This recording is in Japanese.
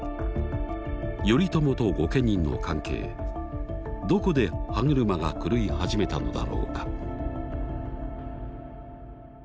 頼朝と御家人の関係どこで歯車が狂い始めたのだろうか。